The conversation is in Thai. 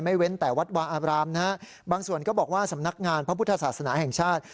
เว้นแต่วัดวาอาบรามนะฮะบางส่วนก็บอกว่าสำนักงานพระพุทธศาสนาแห่งชาติ